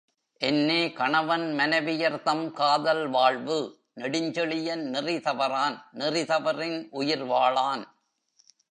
என்னே கணவன் மனைவியர்தம் காதல் வாழ்வு நெடுஞ்செழியன் நெறி தவறான் நெறிதவறின் உயிர் வாழான்.